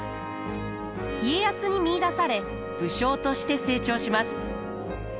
家康に見いだされ武将として成長します。